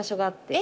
え！